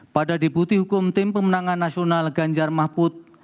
pada deputi hukum tim pemenangan nasional ganjar mahfud